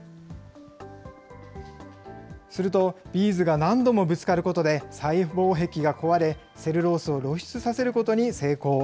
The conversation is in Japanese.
すると、ビーズが何度もぶつかることで細胞壁が壊れ、セルロースを露出させることに成功。